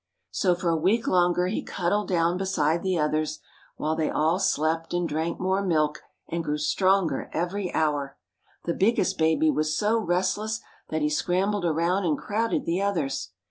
So for a week longer he cuddled down beside the others, while they all slept and drank more milk and grew stronger every hour. The biggest baby was so restless that he scrambled around and crowded the others.